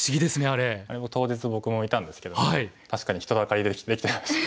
あれ当日僕もいたんですけど確かに人だかりできてました。